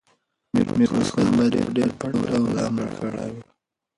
میرویس خان باید په ډېر پټ ډول عمل کړی وی.